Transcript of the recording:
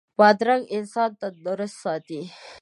بادرنګ انسان تندرست ساتي.